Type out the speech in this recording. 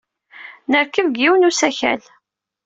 Nerkeb deg yiwen n usakal.